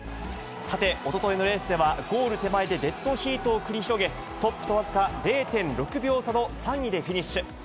さて、おとといのレースでは、ゴール手前でデッドヒートを繰り広げ、トップと僅か０．６秒差の３位でフィニッシュ。